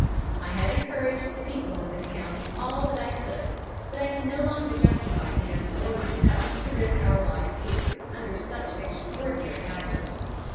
"I have encouraged the people in this county all that I could; but I can no longer justify them or myself to risk our lives here, under such extraordinary hazards.